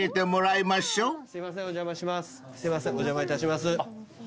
お邪魔いたします。